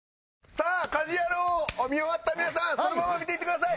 さあ『家事ヤロウ！！！』を見終わった皆さんそのまま見ていてください！